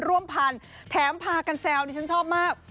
ร่วมพันธุ์แถมพากันแซวนี่ฉันชอบมาก